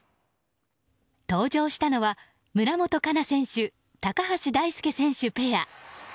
登場したのは村元哉中選手、高橋大輔選手ペア。